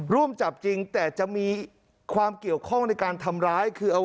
ร่วมจับจริงแต่จะมีความเกี่ยวข้องในการทำร้ายคือเอา